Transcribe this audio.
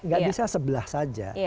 gak bisa sebelah saja